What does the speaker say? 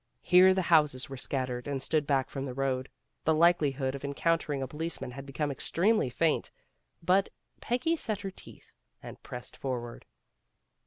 Here the houses were scattered and stood back from the road. The likelihood of encountering a policeman had become extremely faint. But Peggy set her teeth and pressed forward.